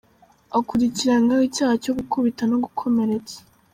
Akurikiranyweho icyaha cyo gukubita no gukomeretsa.